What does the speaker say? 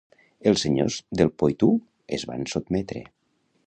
Els senyors del Poitou es van sotmetre.